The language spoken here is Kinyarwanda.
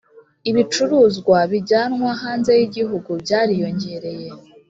Ibicuruzwa bijyanwa hanze yigihugu byariyongereye